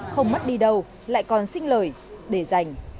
không mất đi đâu lại còn xin lời để dành